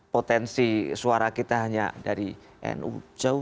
potensi suara kita hanya dari nu